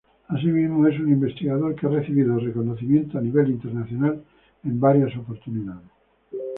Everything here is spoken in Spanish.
Asimismo es un investigador que ha recibido reconocimientos a nivel internacional en varias oportunidades.